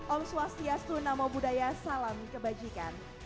om swastiastu nama budaya salam kebajikan